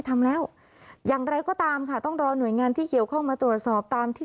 อีกตั้งนั้นไม่เคยมี